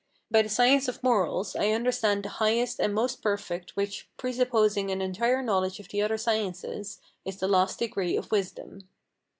By the science of Morals, I understand the highest and most perfect which, presupposing an entire knowledge of the other sciences, is the last degree of wisdom.